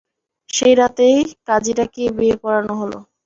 সেই রাতেই কাজী ডাকিয়ে বিয়ে পড়ানো হল।